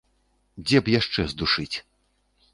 Дзе б яшчэ здушыць?